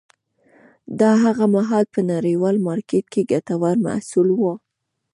دا هغه مهال په نړیوال مارکېټ کې ګټور محصول و